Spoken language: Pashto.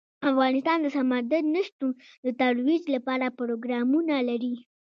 افغانستان د سمندر نه شتون د ترویج لپاره پروګرامونه لري.